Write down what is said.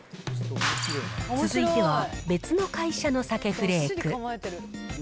続いては、別の会社の鮭フレーク。